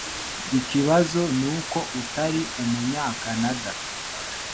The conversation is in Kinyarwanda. Ikibazo nuko utari umunyakanada.